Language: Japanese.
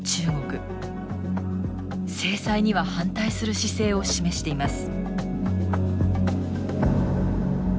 制裁には反対する姿勢を示しています。